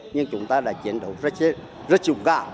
nhưng chúng ta đã chiến đấu rất dũng cảm